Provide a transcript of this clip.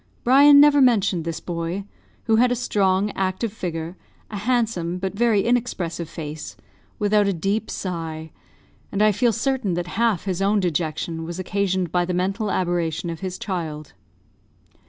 Brian never mentioned this boy who had a strong, active figure; a handsome, but very inexpressive face without a deep sigh; and I feel certain that half his own dejection was occasioned by the mental aberration of his child.